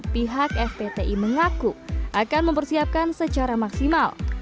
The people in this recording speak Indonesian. pihak fpti mengaku akan mempersiapkan secara maksimal